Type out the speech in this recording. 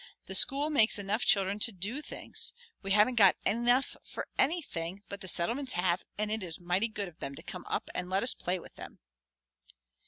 That school makes enough children to do things. We haven't got enough for anything, but the Settlements have, and it is mighty good of them to come up and let us play with them."